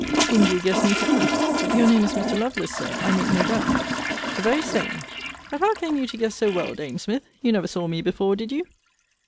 Whom do you guess me to be? Your name is Mr. Lovelace, Sir, I make no doubt. The very same. But how came you to guess so well, dame Smith! You never saw me before, did you?